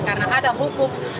karena ada hukum